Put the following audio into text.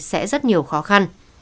sẽ rất nhiều khó khăn